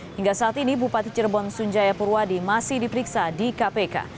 hingga saat ini bupati cirebon sunjaya purwadi masih diperiksa di kpk